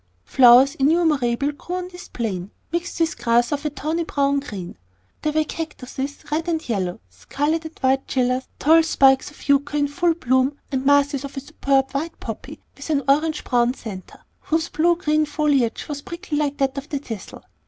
Flowers innumerable grew on this plain, mixed with grass of a tawny brown green. There were cactuses, red and yellow, scarlet and white gillias, tall spikes of yucca in full bloom, and masses of a superb white poppy with an orange brown centre, whose blue green foliage was prickly like that of the thistle.